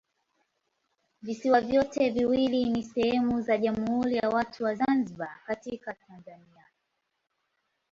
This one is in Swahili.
Visiwa vyote viwili ni sehemu za Jamhuri ya Watu wa Zanzibar katika Tanzania.